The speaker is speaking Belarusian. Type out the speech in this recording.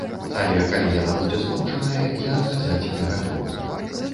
Але калі яна будзе скончаная, я адказаць не гатовы.